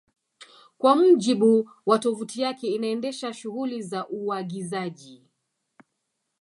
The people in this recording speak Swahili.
Kwa mujibu wa tovuti yake inaendesha shughuli za uagizaji